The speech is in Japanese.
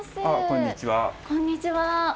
こんにちは。